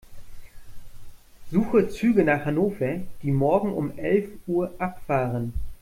Suche Züge nach Hannover, die morgen um elf Uhr abfahren.